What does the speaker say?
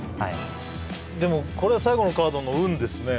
でもこれは最後のカードの運ですね